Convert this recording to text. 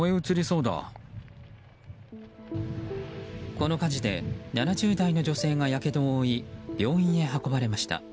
この火事で７０代の女性がやけどを負い病院に運ばれました。